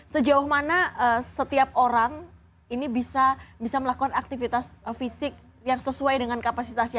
sejauh mana setiap orang ini bisa melakukan aktivitas fisik yang sesuai dengan kapasitasnya